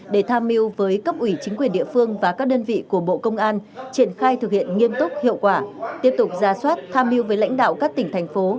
để tham mưu với cấp ủy chính quyền địa phương và các đơn vị của bộ công an triển khai thực hiện nghiêm túc hiệu quả tiếp tục ra soát tham mưu với lãnh đạo các tỉnh thành phố